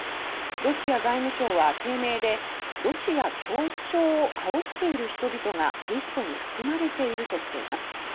ロシア外務省は声明で「ロシア恐怖症をあおっている人々がリストに含まれている」としています。